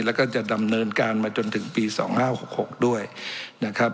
แล้วก็จะดำเนินการมาจนถึงปี๒๕๖๖ด้วยนะครับ